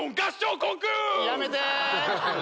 やめて！